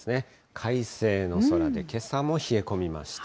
快晴の空で、けさも冷え込みました。